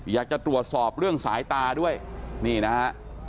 อยากจะตรวจสอบเรื่องสายตาด้วยนี่นะฮะ